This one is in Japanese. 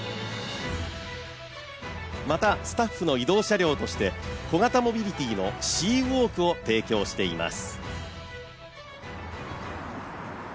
また、スタッフの移動車両として小型モビリティーのＣ＋ｗａｌｋを提供しています。